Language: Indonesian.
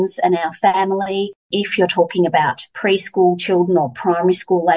jika anda berbicara tentang anak anak pre kulis atau anak anak umur kelas kelas